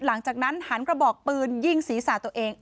หลังจากนั้นหันกระบอกปืนยิงศีรษะตัวเอง